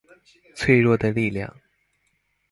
脆弱的力量